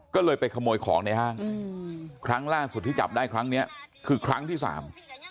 ก็เลยไปขโมยของในห้างอืมครั้งล่าสุดที่จับได้ครั้งเนี้ยคือครั้งที่สาม